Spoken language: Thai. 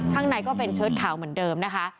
ข้างในก็เป็นเชิดขาวเหมือนเดิมนะคะ